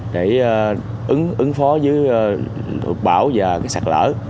để ứng phó dưới luật bảo và sạt lỡ